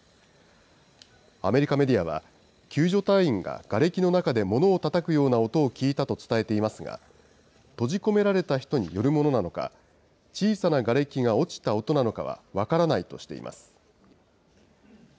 アメリカメディアは、救助隊員ががれきの中でものをたたくような音を聞いたと伝えていますが、閉じ込められた人によるものなのか、小さながれきが落ちた音なのかは分からないとしています。